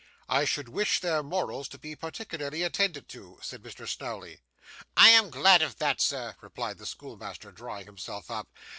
'I should wish their morals to be particularly attended to,' said Mr Snawley. 'I am glad of that, sir,' replied the schoolmaster, drawing himself up.